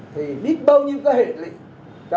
thì biết bao nhiêu hệ lịch